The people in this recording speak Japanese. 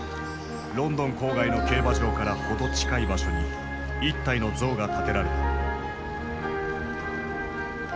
ロンドン郊外の競馬場から程近い場所に一体の像が建てられた。